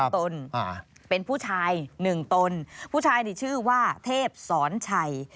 ตนเป็นผู้ชาย๑ตนผู้ชายนี่ชื่อว่าเทพศรชัย